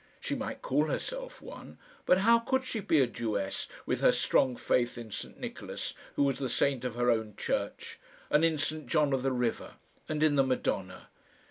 She might call herself one; but how could she be a Jewess with her strong faith in St Nicholas, who was the saint of her own Church, and in St John of the River, and in the Madonna?